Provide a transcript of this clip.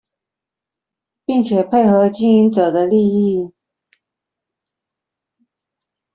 並且配合經營者的利益